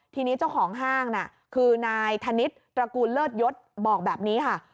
ทีนี้เจ้าของห้างน่ะคือนายธนิษฐ์ตระกูลเลิศยศบอกแบบนี้ค่ะ